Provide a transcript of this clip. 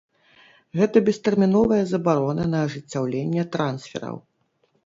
Гэта бестэрміновая забарона на ажыццяўленне трансфераў.